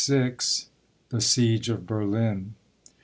® THE SIEGE OF BERLIN.